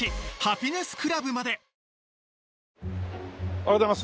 おはようございます。